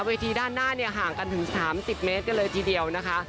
ด้านหน้าเนี่ยห่างกันถึง๓๐เมตรกันเลยทีเดียวนะคะ